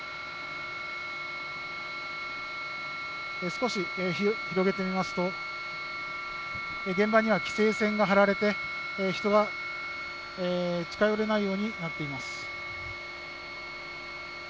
少し広げて見ますと現場には規制線が張られて人が近寄れないようになっています。